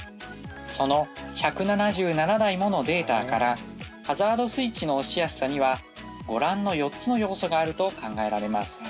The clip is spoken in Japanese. その１７７台ものデータからハザードスイッチの押しやすさにはご覧の４つの要素があると考えられます。